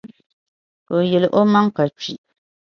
o yil’ omaŋ’ ka kpi.